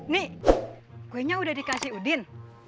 nih kuenya udah dikasih udin